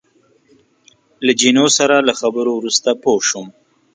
له جینو سره له خبرو وروسته پوه شوم.